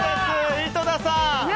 井戸田さん！